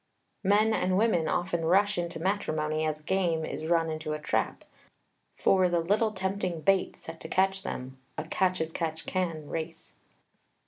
Men and women often rush into matrimony as game is run into a trap, for the little tempting bait set to catch them (a catch as catch can race).